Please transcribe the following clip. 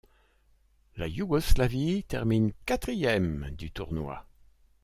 La Yougoslavie termine quatrième du tournoi.